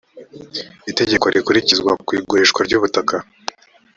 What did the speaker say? itegeko rikurikizwa ku igurishwa ry’ubutaka